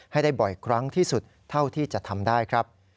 ให้ได้บ่อยครั้งที่สุดเท่าที่จะทำได้ครับ